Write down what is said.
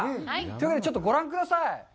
ということでちょっとご覧ください。